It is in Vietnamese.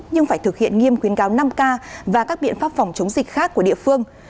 nhưng phải thực hiện nghiêm khuyến cáo năm k và các biện pháp phòng chống dịch khác của địa phương